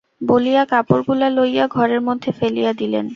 বলিয়া কাপড়গুলা লইয়া ঘরের মধ্যে ফেলিয়া দিলেন।